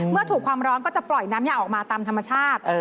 เมื่อถูกความร้อนก็จะปล่อยน้ำยาออกมาตามธรรมชาติ